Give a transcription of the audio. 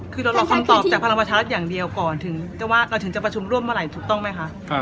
คือเรารอคำตอบจากพลังประชารัฐอย่างเดียวก่อนถึงจะว่าเราถึงจะประชุมร่วมเมื่อไหร่ถูกต้องไหมคะ